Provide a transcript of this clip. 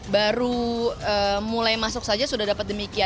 baru mulai masuk saja sudah dapat demikian